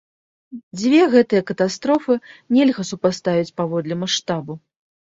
Дзве гэтыя катастрофы нельга супаставіць паводле маштабу.